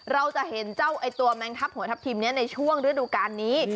เราจะเห็นเจ้าตัวแมงทัพหัวทัพทิมนี้ในช่วงฤดูการนี้